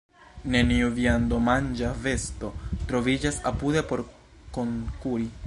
Neniu viandomanĝa besto troviĝas apude por konkuri.